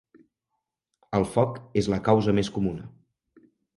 El foc és la causa més comuna.